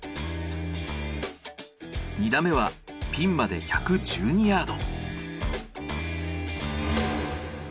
２打目はピンまで１１２ヤード。